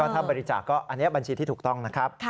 ถ้าบริจาคก็อันนี้บัญชีที่ถูกต้องนะครับ